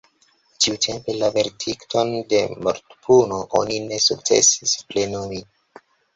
Tiutempe la verdikton de mortpuno oni ne sukcesis plenumi.